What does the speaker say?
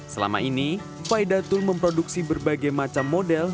selama ini faidatul memproduksi berbagai macam model